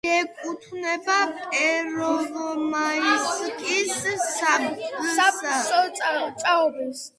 მიეკუთვნება პერვომაისკის სოფსაბჭოს.